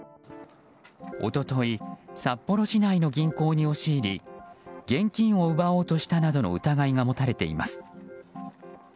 一昨日札幌市内の銀行に押し入り現金を奪おうとしたなどの疑いが持たれています。